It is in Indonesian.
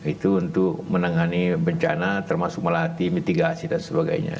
itu untuk menangani bencana termasuk melatih mitigasi dan sebagainya